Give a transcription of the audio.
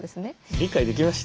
理解できました？